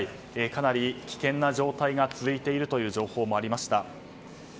かなり危険な状態が続いているとの情報もありました。